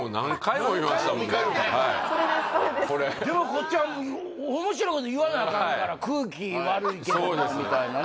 こっちは面白いこと言わなアカンから空気悪いけどもみたいなね